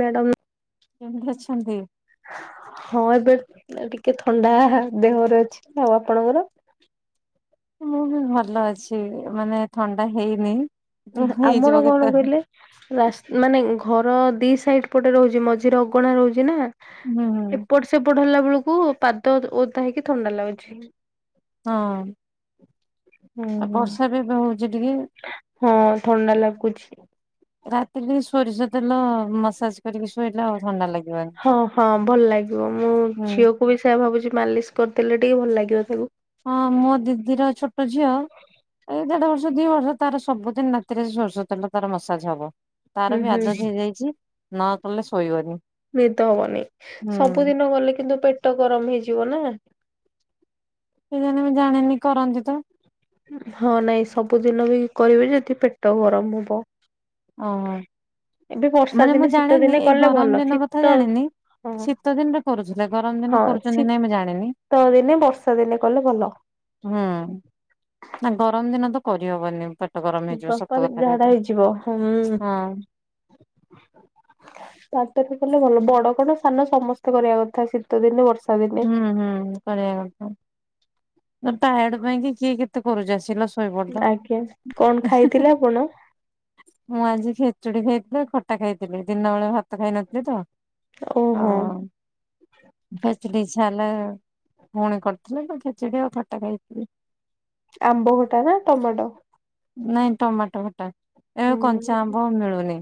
Madam. କେମତି ଅଛନ୍ତି? ହଁ ଏବେ ଟିକେ ଥଣ୍ଡା ଦେହରେ ଅଛି ତ ଆପଣଙ୍କର? ମୁଁ ବି ଭଲ ଅଛି ମାନେ ଥଣ୍ଡା ହେଇନି ତୁ ହେଇଯିବ ଆମର କଣ କେତେବେଳେ କହିଲେ? ରାସ୍ ମାନେ ଘର ଦି ସାଇଡ ପଟେ ରହୁଛି ମଝିରେ ଅଗଣା ରହୁଛି ନା। ହୁଁ ହୁଁ ହଁ। ଏପଟ ସେପଟ ହେଲା ବେଳକୁ ପାଦ ଓଦା ହେଇକି ଥଣ୍ଡା ଲାଗୁଛି। ହଁ। ହୁଁ। ଆଉ ବର୍ଷା ବି ଏବେ ହଉଛି ଟିକେ। ହଁ ଥଣ୍ଡା ଲାଗୁଛି। ରାତିରେ ସୋରିଷ ତେଲ ମସାଜ କରିକି ଶୋଇଲା। ହଁ ହଁ ଭଲ ଲାଗିବ ମୁଁ ହୁଁ ଝିଅକୁ ମୁଁ ବି ସେୟଆ ଭାବୁଛି ମାଲିସ୍ କରିଦେଲେ ଟିକେ ଭଲ ଲାଗିବ ତାକୁ। ହଁ ମୋ ଦିଦିର ଛୋଟ ଝିଅ ଏଇ ଦେଢ ବର୍ଷ ଦି ବର୍ଷ ତାର ସବୁଦିନ ରାତିରେ ସୋର୍ଷ ତେଲ ତାର ମସାଜ ହବ। ତାର ହୁଁ ବି ହୁଁ ଆଦତ ହେଇଯାଇଛି ନ କଲେ ଶୋଇବନି। ନିଦ ହବନି ହୁଁ ସବୁଦିନ ଗଲେ କିନ୍ତୁ ପେଟ ଗରମ ହେଇଯିବ ନା। କେଜାଣି ମୁଁ ଜାଣିନି କରନ୍ତି ତ। ହଁ ନାଇଁ ସବୁଦିନ ବି କରିବେ ଯଦି ପେଟ ଗରମ ହବ। ଓହ ଏବେ ବର୍ଷା ମାନେ ଦିନେ ମୁଁ ଶୀତ ଜାଣିନି ଦିନେ ଏଇ କଲେ ଗରମ ଭଲ ଦିନ କଥା ଶୀତ ଜାଣିନି। ହଁ ଶୀତ ଦିନରେ କରୁଥିଲେ ଗରମ ହଁ ଦିନ କରୁଛନ୍ତି ଶୀତ ନାଇଁ ମୁଁ ଜାଣିନି। ଦିନେ ବର୍ଷା ଦିନେ କଲେ ଭଲ। ହୁଁ ନା ଗରମ ଦିନ ତ କରିହବନି। ପେଟ ଗରମ ହେଇଯିବ ସତ ବପ କଥା ଝାଡା କହିଲେ ହେଇଯିବ ହୁଁ। ହଁ। ତା ତରେ ଗଲେ ଭଲ ବଡ କଣ ସାନ ସମସ୍ତେ କରିବା କଥା। ତ ଦିନେ ବର୍ଷା ଦିନ ହୁଁ ହୁଁ କରିବା କଥା। ଟାୟାଡ ପାଇଁ କି କିଏ କେତେ କରୁଛି ଆସିଲ ଶୋଇପଡିଲ। ଆଜ୍ଞା କଣ ଖାଇଥିଲେ ଆପଣ? ମୁଁ ଆଜି ଖେଚୁଡି ଖାଇଥିଲି ଆଉ ଖଟା ଖାଇଥିଲି। ଦିନ ବେଳେ ଭାତ ଖାଇନଥିଲି ତ। ଓହୋ ହଁ। [unintelligible] [unintelligible] ଇଚ୍ଛା ହେଲା ପୁଣି କରିଥିଲେ ତ ଖେଚେଡି ଆଉ ଖଟା ଖାଇ ଦେଇଥିଲି। ଆମ୍ବ ଖଟା ନା ଟମାଟୋ? ନାଇଁ ଟମାଟୋ ଖଟା। ଏବେ କଞ୍ଚା ହୁଁ। ଆମ୍ବ ମିଳୁନି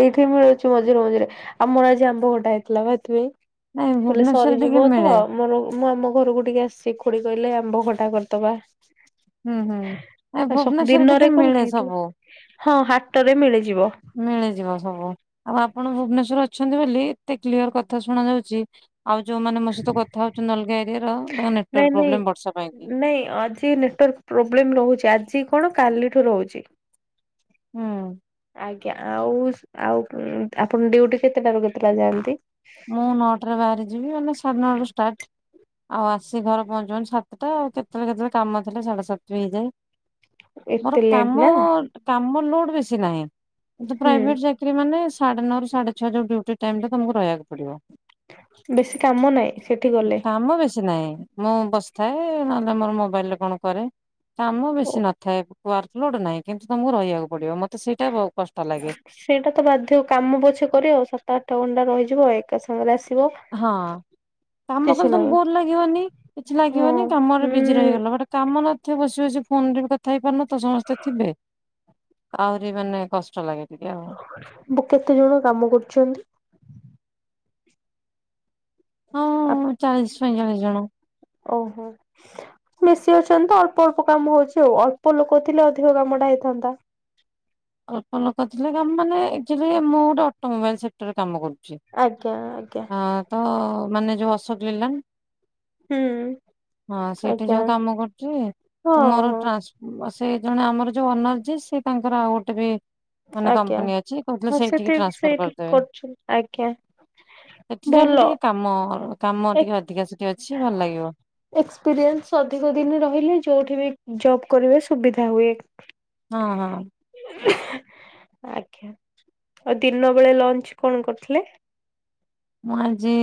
ଏଇଠି ମିଳୁଛି ମଝିରେ ମଝିରେ। ଆମର ଆଜି ଆମ୍ବ ଖଟା ହେଇଥିଲା ବା ସେଥିପାଇଁ। ନାଇଁ କଲେ ଭୁବନେଶ୍ଵରରେ ଟିକେ ସରିଯିବ ତ ମିଳେ ମୋର ମୁଁ ଆମ ଘରୁକୁ ଟିକେ ଆସିଛି। ଖୁଡି କହିଲେ ଆମ୍ବ ଖଟା କରିଦବା। ହୁଁ ହୁଁ ଏ ଆସ ଭୁବନେଶ୍ଵରରେ ଟିକେ ଦିନରେ କଣ ମିଳେ ଖାଇଥିଲେ? ସବୁ ହଁ ହାଟରେ ମିଳିଯିବ। ମିଳିଯିବ ସବୁ। ଆଉ ଆପଣ ଭୁବନେଶ୍ୱର ଅଛନ୍ତି ବୋଲି ଏତେ କ୍ଲିଅର କଥା ଶୁଣା ଯାଉଛି। ଆଉ ଯୋଉମାନେ ମୋ ସହିତ କଥା ହଉଛନ୍ତି ଅଲଗା ଏରିଆର ବା ନାଇଁ ନାଇଁ ନାଇଁ ଅଧ୍ ଟିକେ ନେଟୱାର୍କ ପ୍ରୋବ୍ଲେମ ରହୁଛି ଆଜି କଣ କାଲିଠୁ ରହୁଛି। ହୁଁ। ଆଜ୍ଞା ଆଉ ଆଉ ଉଁ ଆପଣ ଡ୍ୟୁଟି କେତେଟାରୁ କେତେଟା ଯାଆନ୍ତି? ମୁଁ ନଅଟାରେ ବାହାରି ଯିବି ମାନେ ସାଢ଼େ ନଅରୁ ଷ୍ଟାର୍ଟ। ଆଉ ଆସି ଘରେ ପହଞ୍ଚୁ ପହଞ୍ଚୁ ସାତଟା ଆଉ କେତେବେଳେ କେତେବେଳେ କାମ ଥିଲେ ସାଢେ ସାତ ବି ହେଇଯାଏ। ମୋର ଏତେ ଲେଟ୍ କାମ ନା କାମ ଲୋଡ୍ ବେଶୀ ନାହିଁ କିନ୍ତୁ ହୁଁ ପ୍ରାଇଭେଟ୍ ଚା କିରୀ ମାନେ ସାଢେ ନଅରୁ ସାଢେ ଛଅ ଯୋଉ ଡ୍ୟୁଟି ଟାଇମଟା ତମୁକୁ ରହିବାକୁ ପଡିବ। ବେଶୀ କାମ ନାହିଁ ସେଠି ଗଲେ। କାମ ବେଶୀ ନାହିଁ। ମୁଁ ବସିଥାଏ ନହେଲେ ମୋର ମୋବାଇଲରେ କଣ କରେ। କାମ ବେଶୀ ନଥାଏ। ୱାର୍କ ଲୋଡ ନାହିଁ କିନ୍ତୁ ତମୁକୁ ରହିବାକୁ ପଡିବ। ମତେ ସେଇଟା ବହୁ କଷ୍ଟ ଲାଗେ। ସେଇଟା ତ ବାଧ୍ୟ। କାମ ପଛେ କରିବ ସାତ ଆଠ ଘଣ୍ଟା ରହିଯିବ ଏକ୍ କା ସାଙ୍ଗେରେ ଆସିବ। ହଁ କାମ କିଛି କଲେ ତମୁକୁ ନାହିଁ ବୋର ଲାଗିବନି କିଛି ହଁ ଲାଗିବନି କାମରେ ବିଜି ହୁଁ ରହିଗଲ ବଟ୍ କାମ ନ ଥିବ ବସି ବସି ଫୋନରେ ବି କଥା ହେଇପାରୁନଥିବ ସମସ୍ତେ ଥିବେ। ଆହୁରି ମାନେ କଷ୍ଟ ଲାଗେ ଟିକେ ଆଉ। ବୁ କେତେ ଜଣ କାମ କରୁଛନ୍ତି? ଆ ହଁ ଚାଳିଶ ପଇଁଚାଳିଶ ଜଣ। ଓହୋ। ବେଶୀ ଅଛନ୍ତି ତ ଅଳ୍ପ ଅଳ୍ପ କାମ ହଉଛି ଆଉ। ଅଳ୍ପ ଲୋକ ଥିଲେ ଅଧିକ କାମଟା ହେଇଥାନ୍ତା। ଅଳ୍ପ ଲୋକ ଥିଲେ କାମ ମାନେ ଆକ୍ଚୁଆଲି ମୁଁ ଗୋଟେ ଅଟୋମୋବାଇଲ ସେକ୍ଟରରେ କାମ କରୁଛି। ଆଜ୍ଞା ଆଜ୍ଞା। ହଁ ତ ମାନେ ଯୋଉ ଅଶୋକ ଲିଲାନ୍। ହୁଁ ହଁ ସେଇଠି ଆଜ୍ଞା। ଯୋଉ କାମ କରୁଛି ତ ହଁ ମୋର ହଁ ଟ୍ରାନ୍ସ୍ [unintelligible] ସେଇ ଜଣେ ଆମର ଯୋଉ ଓନର୍ ଯିଏ ସେ ତାଙ୍କର ଆଉ ଗୋଟେ ବି ମାନେ ଆଜ୍ଞା କମ୍ପାନୀ ଅଛି କହୁଥିଲେ ହଁ ସେଇଠିକି ସେଠି ଟ୍ରାନ୍ସଫର୍ ସେଇଠି କରିଦେବେ। କରୁଛନ୍ତି ଆଜ୍ଞା ସେଇଠି ରହିଲେ ଭଲ। ଟିକେ କାମ କାମ ଟିକେ ଅଧିକା ସେଇଠି ଅଛି ଭଲ ଲାଗିବ। ଏକ୍ସପିରିଏନ୍ସ ଅଧିକ ଦିନି ରହିଲେ ଯୋଉଠି ବି ଜବ୍ କରିବେ ସୁବିଧା ହୁଏ। ହଁ ହଁ। ଆଜ୍ଞା। ଆଉ ଦିନବେଳେ ଲଞ୍ଚ କଣ କରିଥିଲେ? ମୁଁ ଆଜି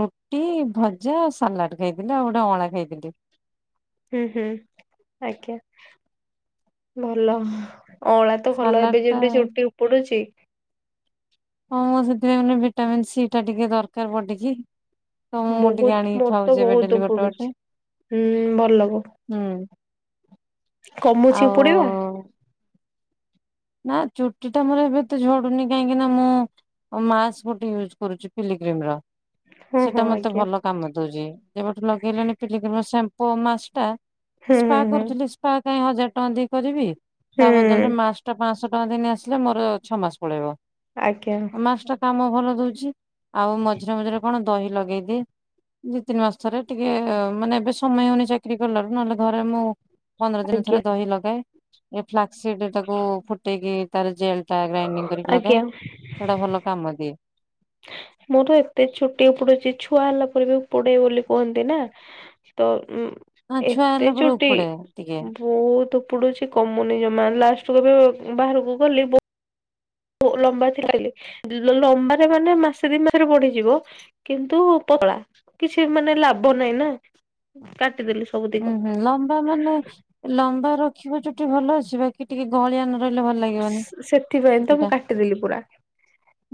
ରୁଟି, ଭଜା, ସାଲାଡ୍ ଖାଇଥିଲି ଆଉ ଗୋଟେ ଅଁଳା ଖାଇଥିଲି। ହୁଁ ହୁଁ ଆଜ୍ଞା ଭଲ। ଅଁଳା ତ ଭଲ ସାଲାଡ ଏବେ ଟା ଯେମିତି ଚୁଟି ଉପୁଡୁଛି। ହଁ ମ ସେଥିପାଇଁ ମାନେ ଭିଟାମିନ ସି ଟା ଟିକେ ଦରକାର ବଡିକି। ତ ମୁଁ ଟିକେ ବହୁତ ଆଣିକି ମୋର ଖାଉଛି ତ ଏବେ ଡେଲି ବହୁତ ଗୋଟେ ଗୋଟେ ଉପୁଡୁଛି। ହୁଁ ଭଲ। [unintelligible] ହୁଁ କମୁଛି ଉପୁଡିବା ଆଉ ନା ଚୁଟି ଟା ମୋର ଏବେ ତ ଝଡୁନି କାହିଁକି ନା ମୁଁ ମାସ୍କ ଗୋଟେ ୟୁଜ କରୁଛି ପିଲିକ୍ରିମ ର ହଁ ହଁ ସେଟା ମତେ ଆଜ୍ଞା ଭଲ କାମ ଦଉଛି। ଯେବେଠୁ ଲଗେଇଲିଣି ପିଲିକ୍ରିମ୍ ସାମ୍ପୁ ମାସ୍କ ଟା ହୁଁ ସ୍ପା ହୁଁ ହୁଁ। କରୁଥିଲି। ସ୍ପା କାଇଁ ହଜାର ଟଙ୍କା ଦେଇ କରିବି ହୁଁ ତା ବଦରେ ମା ପାଞ୍ଚଶହ ଟଙ୍କା ଦେଇ ନେଇ ଆସିଲେ ମୋର ଛଅ ମାସ ପଳେଇବ। ଆଜ୍ଞା। ମାସ୍କ ଟା କାମ ଭଲ ଦଉଛି। ଆଉ ମଝିରେ ମଝିରେ କଣ ଦହି ଲଗେଇଦିଏ ଦି ତିନି ମାସ ଥରେ, ଟିକେ ମାନେ ଏବେ ସମୟ ହଉନି ଚାକିରି କଲାଠୁ ନହେଲେ ଘରେ ମୁଁ ପନ୍ଦର ଦିନ ଥରେ ଆଜ୍ଞା ଦହି ଲଗାଏ। ଏ ଫ୍ଲାକ୍ ସିଡ୍ ରେ ତାକୁ ଫୁଟେଇକି ତାର ଜେଲ୍ ଟା ଗ୍ରାଇଣ୍ଡିଙ୍ଗ କରିକି ଆଜ୍ଞା। ଲଗାଏ। ସେଇଟା ଭଲ କାମ ଦିଏ। ମୋର ଏତେ ଛୁଟି ଉପୁଡୁଛି, ଛୁଆ ହେଲା ପରେ ବି ପୁଡେଇ ବୋଲି କୁହନ୍ତି ନା? ତ ନା ଉ ଛୁଆ ଏତେ ହେଲା ପରେ ଚୁଟି? ଉପୁଡେ ଟିକେ ବୋହୁତ୍ ଉପୁଡୁଛି କମୁନି ଜମା। ଲାଷ୍ଟ କୁ ଏବେ ବାହାରକୁ ଗଲି ଓ ଲମ୍ବା ଥିଲା ବି, ଲମ୍ବାରେ ମାନେ ମାସେ ଦି ମାସରେ ବଢିଯିବ କିନ୍ତୁ ପତଳା କିଛି ମାନେ ଲାଭ ନହିଁ ନା, କାଟିଦେଲି। ସବୁତିକ ହୁଁ ହୁଁ। ଲମ୍ବା ମାନେ? ଲମ୍ବା ରଖିବ ଚୁଟି ଭଲ ଅଛି ବାକି ଟିକେ ଗଳିଆ ନ ରହିଲେ ଭଲ ଲାଗିବନି ସେଥିପାଇଁ ତ ମୁଁ କାଟିଦେଲି ପୁରା।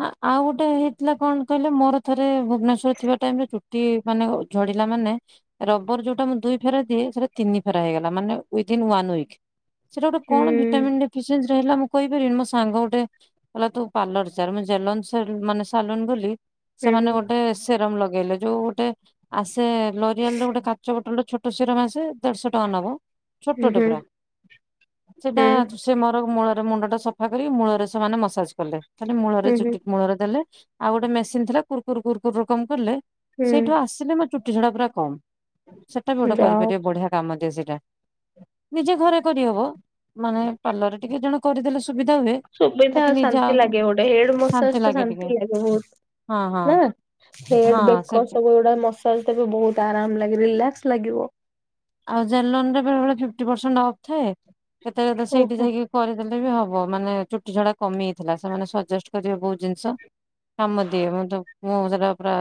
ଆ ଆଉ ଗୋଟେ ହେଇଥିଲା କଣ କହିଲେ? ମୋର ଥରେ ଭୁବନେଶ୍ବର ରେ ଥିବା ଟାଇମ୍ ରେ ଚୁଟି ମାନେ ଝଡିଲା ମାନେ ରବର ଯୋଉଟା ମୁଁ ଦୁଇ ଫେର ଦିଏ ସେଟା ତିନି ଫେରା ହେଇଗଲା। ମାନେ ଉଦ୍ଦିନ ୱାନ ୱିକ୍ ସେଟା ଗୋଟେ ହୁଁ କଣ ଭି ଗୋଟେ ମିନିଟ୍ ପିସେସାଂ ମୁଁ କହିପାରିବିନି ମୋ ସାଙ୍ଗ ଗୋଟେ କହିଲା ତୁ ପାର୍ଲର ଯା। ମୁଁ ଜେଲନ୍ ମାନେ ସାଲୁନ୍ ଗଲି ହୁଁ ସେମାନେ ଗୋଟେ ସେରମ୍ ଲଗେଇଲେ ଯୋଉ ଗୋଟେ ଆସେ ଲୋରିଆଲର ଗୋଟେ କାଚ ବୋଟଲ ଛୋଟ ସିରମ୍ ଆସେ ଦେଢଶହ ଟଙ୍କ ନବ ହୁଁ ଛୋଟଟେ ହୁଁ ପୁରା ସେଟା ହୁଁ ସେ ମର ମୂଳରେ ମୁଣ୍ଡ ଟା ସଫା କରି ମୂଳରେ ସେମାନେ ମସାଜ କଲେ ଖାଲି ମୂଳରେ ହୁଁ ଚୁଟି ହୁଁ ମୂଳରେ ଦେଲେ ଆଉ ଗୋଟେ ମେସିନ ଥିଲା, କୁର୍, କୁର୍, କୁର୍ କଣ କଲେ ସେଇଠୁ ଆସିଲି ମୋ ଚୁଟି ଝଡା ପୁରା କମ [inaudible] ଟ ବି ଗୋଟେ ଯାଅ କରିପାରିବେ ବଢିଆ କାମ ଦିଏ ସେଇଟା ନିଜେ ଘରେ କରିହବ ମାନେ ପାଲର ରେ ଟିକେ ଜଣେ କରିଦେଲେ ସୁବିଧା ହୁଏ। ସୁବିଧା ବାକି ନିଜେ ଶାନ୍ତି ଆଉ ଲାଗେ ଗୋଟେ। ହେଡ୍ ଶାନ୍ତି ମସାଜ ଟା ଲାଗେ ଟିକେ ଶାନ୍ତି ଲାଗେ ବହୁତ ହଁ ହଁ ନା ହେଡ୍ ହଁ ସେ ବେକ ସବୁ ଯୁଡା ମ ଚଲତେ ବି ବହୁତ ଆରାମ ଲାଗେ ରିଲାକ୍ସ ଲାଗିବ। ଆଉ ଜେଲନ ରେ ବେଳେ ବେଳେ ଫିପ୍ଟି ପର୍ସେଣ୍ଟ ଅପ୍ ଥାଏ। କେତେବେଳେ ସେଇଠି ଓହୋ ଯାଇକି କରିଦେଲେ ବି ହବ। ମାନେ ଚୁଟି ଝଡା କମି ଯାଇଥିଲା। ସେମାନେ ସଜେଷ୍ଟ କରିବେ ବହୁତ ଜିନିଷ କାମଦିଏ ମୁତ ମୁଁ ସେରା ପୁରା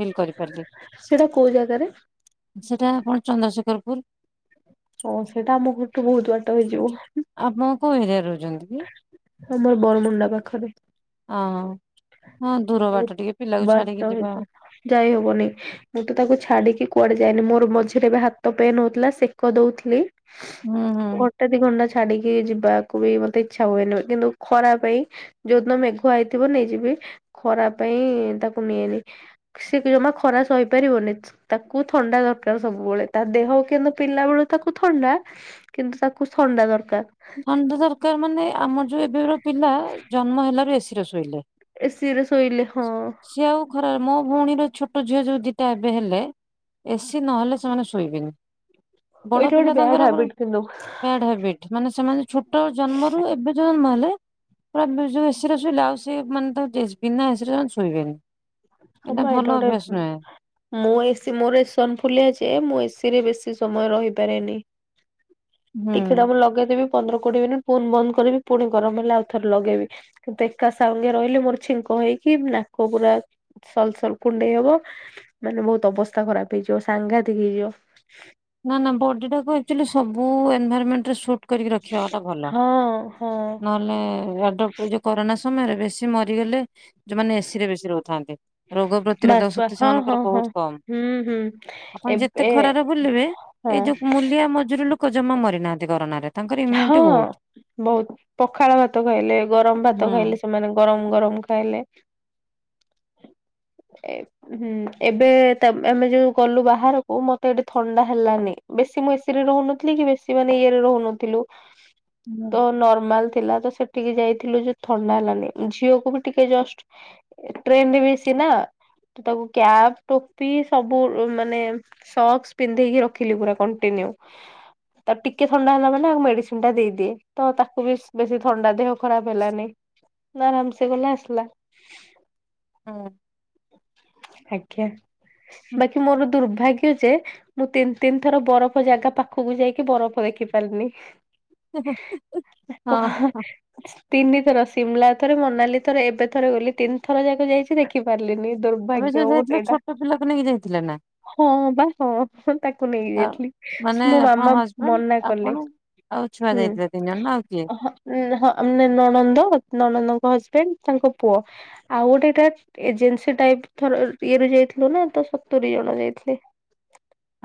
ଫିଲ୍ କରିପାରିଲି। ସେଇଟା କୋଉ ଜାଗାରେ? ସେଟା ଆପଣ ଚନ୍ଦ୍ରଶେଖର ପୁର। ଓ ସେଇଟା ଆମ ଘରଠୁ ବହୁତ ବାଟ ହେଇଯିବ। ଆପଣ କୋଉ ଏରିଆରେ ରହୁଛନ୍ତି କି? ଆମର ବରମୁଣ୍ଡା ପାଖରେ। ଅ ହଁ ଦୂର ବହୁତ ବାଟ ଟିକେ ପିଲାକୁ ବାଟ ଛାଡିକି ଯିବା। ହେଇଯିବ। ଯାଇ ହବନି। ମୁଁ ତ ତାକୁ ଛାଡିକି କୁଆଡେ ଯାଇନି। ମୋର ମଝିରେ ଏବେ ହାତ ପେନ ହଉଥିଲା ସେ କ, କଦଉଥିଲି। ହୁଁ ହୁଁ। ଘଣ୍ଟେ ଦି ଘଣ୍ଟା ଛାଡିକି ଯିବାକୁ ବି ମତେ ଇଚ୍ଛା ହୁଏନି। କିନ୍ତୁ ଖରା ପାଇଁ ଯୋଉଦିନ ମେଘୁଆ ହେଇଥିବ ନେଇଯିବି। ଖରା ପାଇଁ ତାକୁ ନିଏନି। ସେ ଜମା ଖରା ସହିପାରି ବନି। ତାକୁ ଥଣ୍ଡା ଦରକାର ସବୁବେଳେ। ତା ଦେହ କେନ୍ତୁ ପିିଲା ବେଳୁ ତାକୁ ଥଣ୍ଡା। କିନ୍ତୁ ତାକୁ ଥଣ୍ଡା ଦରକାର। ଥଣ୍ଡ ଦରକାର ମାନେ? ଆମର ଯୋଉ ଏବେ ପିଲା ଜନ୍ମ ହେଲାରୁ ଏସିରେ ଶୋଇଲେ। ଏ ସି ରେ ଶୋଇଲେ ହଁ। ଏ ସି ଆଉ ଖରା ମୋ ଭଉଣୀର ଛୋଟ ଝିଅ ଯୋଉ ଦିଟା ଏବେ ହେଲେ। ଏ ସି ନହେଲେ ସେମାନେ ଶୋଇବେନି ବଡ ଏଇଟା ଗୋଟେ ପିଲା ବ୍ୟାଡ ତାଙ୍କର ହାବିଟ କିନ୍ତୁ ବ୍ୟାଡ ହାବିଟ୍ ମାନେ ସେମାନେ ଛୋଟ ଜନ୍ମରୁ ଏବେ ଜନ୍ମ ହେଲେ। ପୁରା ଯୋଉ ଏ ସି ରେ ଶୋଇଲେ ଆଉ ସେ ମାନେ ନା ଏ ସି ରେ ଜମା ଶୋଇବେନି। ହଁ ଏଇଟା ବା ଭଲ ଅଭ୍ୟାସ ଗୋଟେ ନୁହେଁ। ମୁଁ ଏ ସି ମୋର ଏସନ ଫୁଲିଆ ଯେ ମୁଁ ଏ ସିରେ ବେଶି ସମୟ ରହିପାରେନି। ହୁଁ। ଟିକେଟା ମୁଁ ଲଗେଇଦେବି ପନ୍ଦର କୋଡିଏ ମିନିଟ୍ ପୁଣି ବନ୍ଦ କରିବି ପୁଣି ଗରମ ହେଲେ ଆଉ ଥରେ ଲଗେଇବି। ଗୋଟ୍ ଏକା ସାଙ୍ଗେ ରହିଲେ ମୋର ଛିଙ୍କ ହେଇକି ନାକ ପୁରା ସଲସଲ୍ କୁଣ୍ଡେଇ ହବ ମାନେ ବହୁତ ଅବସ୍ଥା ଖରାପ ହେଇଯିବ ସାଙ୍ଘାତିକ ହେଇଯିବ। ନା ନା ବଡି ଟାକୁ ଆକ୍ଚ୍ୟୁଆଲି ସବୁ ଏନଭରେଣ୍ଟ ରେ ଶୁଟ୍ କରିକି ରଖିବା ଟା ଭଲ ହଁ ହଁ ନ ହେଲ୍ ଲେ ୱାଡପ୍ ଯୋଉ କରୋନା ସମୟରେ ବେଶି ମରିଗଲେ। ଯୋଉମାନେ ଏ ସି ରେ ବେଶୀ ରହୁଥାନ୍ତି। ରୋଗ ବାସ୍ ପ୍ରତିରୋଧକ ବା ଶକ୍ତି ହଁ ହଁ ସେମାନଙ୍କର ହଁ ବହୁତ କମ। ହୁଁ ହୁଁ ଆପଣ ଯେ ଏତେ ଏବେ ଖରାରେ ବୁଲିବେ ହଁ ଏଇ ଯୋଉ ମୂଲିଆ ମଜୁରୀ ଲୋକ ଜମା ମରିନାହାନ୍ତି କରୋନାରେ। ତାଙ୍କର ହଁ ଇମ୍ୟୁନିଟି ବହୁତ। ବହୁତ ପଖାଳ ଭାତ ଖାଇଲେ ଗରମ ଭାତ ହୁଁ ଖାଇଲେ ସେମାନେ ଗରମ ଗରମ ଖାଇଲେ ଏ ହୁଁ ଏବେ ତା ଆମେ ଯୋଉ ଗଲୁ ବାହାରକୁ ମତେ ଏଠି ଥଣ୍ଡା ହେଲାନି ବେଶି ମୁଁ ଏ ସିି ରେ ରହୁନଥିଲି କି ବେଶିମାନେ ଇଏ ରେ ରହୁନଥିଲୁ। ହୁଁ। ତ ନର୍ମାଲ ଥିଲା ତ ସେ ଟିକେ ଯାଇଥିଲୁ ଯେ ଥଣ୍ଡା ହେଲାନି। ଝିଅକୁ ବି ଟିକେ ଜଷ୍ଟ ଟ୍ରେନରେ ବି ଏ ସି ନା ତାକୁ କ୍ୟାପ୍ ଟୋପି ସବୁ ଉ ମାନେ ସକ୍ସ ପିନ୍ଧେଇକି ରଖିଲି ପୁରା କଣ୍ଟିନ୍ୟୁ ତାକୁ ଟିକେ ଥଣ୍ଡା ହେଲା ନାଁ ମେଡିସିନ ଟା ଦେଇଦିଏ ତ ତାକୁ ବିସ୍ ବେଶି ଥଣ୍ଡା ଦେହ ଖରାପ ହେଲାନି। ନା ଆରାମସେ ଗଲେ ଆସିଲା। ହୁଁ। ଆଜ୍ଞା ବାକି ମୋର ଦୁର୍ଭାଗ୍ୟ ଯେ ମୁଁ ତିନି ତିନି ଥର ବରଫ ଜାଗା ପାଖକୁ ଯାଇକି ବରଫ ଦେଖି ପାରିନି। ହଁ କହଁ ହଁ ତିନି ଥର ସିମଲା ଥରେ ମନାଲି ଥରେ ଏବେ ଥରେ ଗଲି। ତିନି ଥର ଯାକ ଯାଇଚି ଦେଖି ଦେଖି ପାରିଲିନି ଏବେ ଦୁର୍ଭାଗ୍ୟ ଯୋଉ ଅ ଯାଇଥିଲେ ଏଇଟା। ଛୋଟ ପିଲାକୁ ନେଇକି ଯାଇଥିଲେ ନା? ହଁ ବା ହଁଁ ତାକୁ ନେଇ ଆ- ଯାଇଥିଲି। ମାନେ ମୋ ଆପଣ ମାମା ହଜବେଣ୍ଡ ମନା କଲେ। ଆପଣ ଆଉ ଛୁଆ ହୁଁ। ଯାଇଥିଲେ ତିନି ଜଣ ନା ଆଉ କିଏ? ଉଁ ହଁ ନାଇଁ ନଣନ୍ଦ, ନଣନ୍ଦଙ୍କ ହଜବେଣ୍ଡ ତାଙ୍କ ପୁଅ। ଆଉ ଗୋଟେ ଏଟା ଏଜେନ୍ସି ଟାଇପ ର ଇଏ ରୁ ଯାଇଥିଲୁ ନା ତ ସତୁରି ଜଣ ଯାଇଥିଲେ।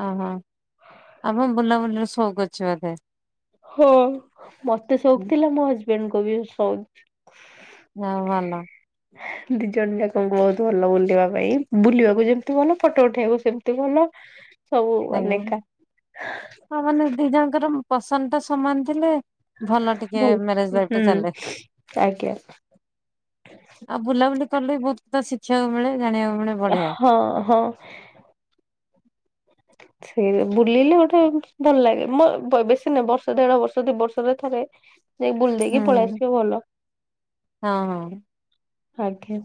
ଆ ହଁ ଆପଣ ବୁଲାବୁଲିରେ ଶଉକ ଅଛି ବୋଧେ? ହଁ ମତେ ଶଉକୁ ଥିଲା ମୋ ହଜବେଣ୍ଡ କ ବି ଶଉକୁ। ଯା ହଉ ଭଲ। ହ ଦି ଜଣ ଯାକଙ୍କୁ ବହୁତ ଭଲ ବୁଲିବା ପାଇଁ। ବୁଲିବାକୁ ଯେମିତି ଭଲ ଫଟୋ ଉଠେଇବାକୁ ସେମିତି ଭଲ। ସବୁ ମାନେ ଆଜ୍ଞା। ଏକା। ହଁ ମାନେ ଦି ଜଣଙ୍କର ପସନ୍ଦ ଟା ସମାନ ଥିଲେ ଭଲ ଟିକେ ମ୍ୟାରେଜ ଲାଇଫ ଟା ହୁଁ ଚାଲେ। ଆଜ୍ଞା ଆଉ ବୁଲାବୁଲି କଲେ ବି ବହୁତ ତ ଶିଖିବାକୁ ମିଳେ ଜାଣିବାକୁ ମିଳେ। ବଢିଆ। ହଁ ହଁ। ସେ ବୁଲିଲେ ଗୋଟେ ଭଲ ଲାଗେ ମୋ ବେଶି ନାହିଁ ବର୍ଷ ଦେଢ ବର୍ଷ ଦି ବର୍ଷରେ ଥରେ ଯାଇ ବୁଲ ହୁଁ ଦେଇେଇକି ପଳେଇ ଆସିବେ ଭଲ। ହଁ ହଁ। ଆଜ୍ଞା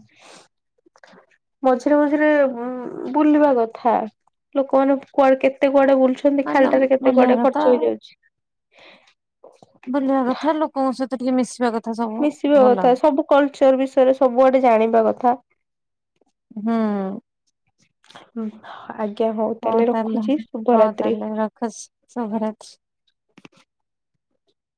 ମଝିରେ ମଝିରେ ବୁଲିବା କଥା। ଲୋକମାନେ କୁଆଡେ କେତେ କୁଆଡେ ବୁଲୁଛନ୍ତି। ନା ନା ଖାଲିଟାରେ କେତେ ବୁଲିବା କୁଆଡେ କଥା ଖର୍ଚ୍ଚ ହେଇଯାଉଛି। ବୁଲିବା କଥା ଲୋକଙ୍କ ସହିତ ଟିକେ ମିଶିବା କଥ୍ ମିଶିବା କଥା ସବୁ କଲଚର ବିଷୟରେ ସବୁଆଡେ ଜାଣିବା କଥା। ହୁଁ, ହୁଁ ଆଜ୍ଞା, ହଉ ତାହେଲେ ରଖୁଛି ଶୁଭରାତ୍ରି। ଖସ ଶୁଭରାତ୍ରି।